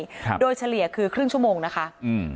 ครับโดยเฉลี่ยคือครึ่งชั่วโมงนะคะอืม